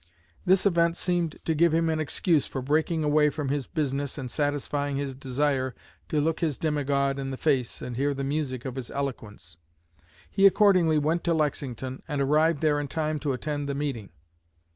This event seemed to give him an excuse for breaking away from his business and satisfying his desire to look his demigod in the face and hear the music of his eloquence. He accordingly went to Lexington, and arrived there in time to attend the meeting.